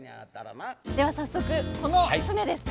では早速この船ですか。